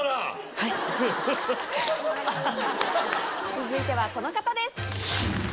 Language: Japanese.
続いてはこの方です。